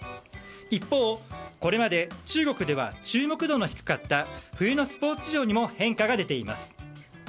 一方、これまで中国では注目度の低かった冬のスポーツ事情にも変化が出ています。